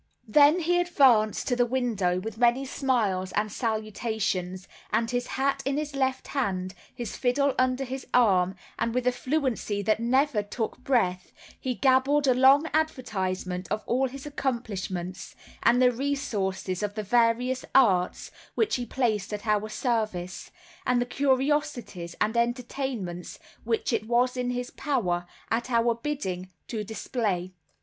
Then he advanced to the window with many smiles and salutations, and his hat in his left hand, his fiddle under his arm, and with a fluency that never took breath, he gabbled a long advertisement of all his accomplishments, and the resources of the various arts which he placed at our service, and the curiosities and entertainments which it was in his power, at our bidding, to display.